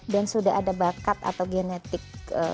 dan sudah ada bakat atau genetik